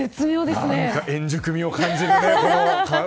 円熟味を感じますね。